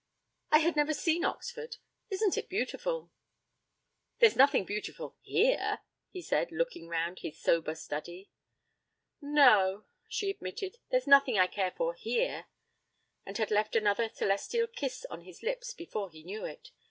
'I had never seen Oxford. Isn't it beautiful?' 'There's nothing beautiful here,' he said, looking round his sober study. 'No,' she admitted; 'there's nothing I care for here,' and had left another celestial kiss on his lips before he knew it.